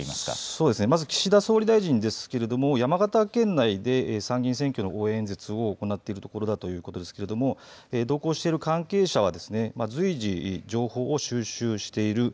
そうですね、まず岸田総理大臣ですが山形県内で参議院選挙の応援演説を行っているところだということですが同行している関係者は随時、情報を収集している。